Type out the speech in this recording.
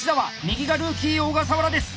右がルーキー小笠原です。